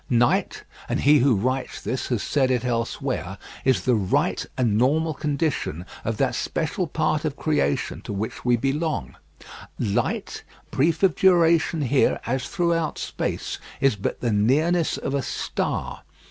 Night and he who writes this has said it elsewhere is the right and normal condition of that special part of creation to which we belong. Light, brief of duration here as throughout space, is but the nearness of a star.